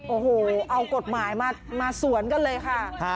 โอ้โหเอากฎหมายมาสวนกันเลยค่ะ